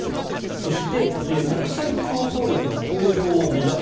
そして国際競争力の向上を目指す